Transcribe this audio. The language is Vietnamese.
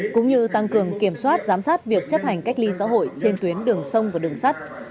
cũng như tăng cường kiểm soát giám sát việc chấp hành cách ly xã hội trên tuyến đường sông và đường sắt